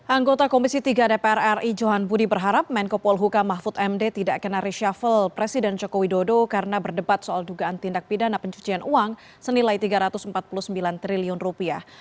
anggota komisi tiga dpr ri johan budi berharap menko polhuka mahfud md tidak kena reshuffle presiden joko widodo karena berdebat soal dugaan tindak pidana pencucian uang senilai tiga ratus empat puluh sembilan triliun rupiah